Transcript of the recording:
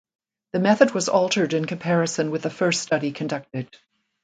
The method was altered in comparison with the first study conducted.